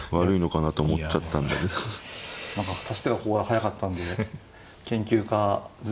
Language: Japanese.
何か指し手がここは速かったんで研究か前何か。